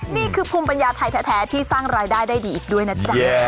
นี่คือภูมิปัญญาไทยแท้ที่สร้างรายได้ได้ดีอีกด้วยนะจ๊ะ